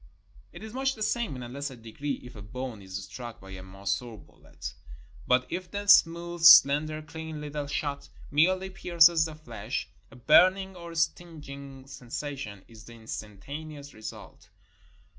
It is much the same in a lesser degree if a bone is struck by a Mauser bullet; but if the smooth, slender, clean little shot merely pierces the flesh, a burn ing or stinging sensation is the instantaneous result.